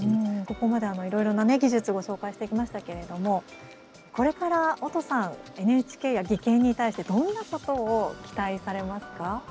ここまで、いろいろな技術ご紹介してきましたけれどもこれから、音さんＮＨＫや技研に対してどんなことを期待されますか。